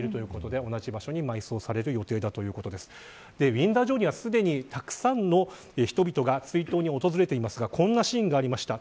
ウィンザー城にはすでに、たくさんの人々が追悼に訪れていますがこんなシーンがありました。